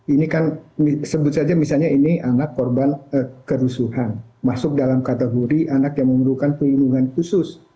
ini kan sebut saja misalnya ini anak korban kerusuhan masuk dalam kategori anak yang memerlukan pelindungan khusus